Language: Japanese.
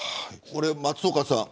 松岡さん